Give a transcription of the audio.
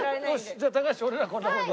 じゃあ高橋俺らはこんなもんで。